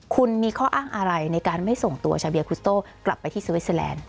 คุณมีข้ออ้างอะไรในการไม่ส่งตัวชาเบียคุสโต้กลับไปที่สวิสเตอร์แลนด์